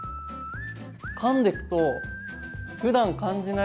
かんでくとふだん感じない